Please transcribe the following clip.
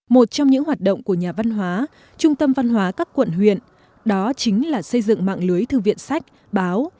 một trong những hoạt động của nhà văn hóa trung tâm văn hóa các quận huyện đó chính là xây dựng mạng lưới thư viện sách báo